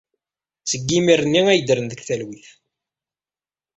Seg yimir-nni ay ddren deg talwit.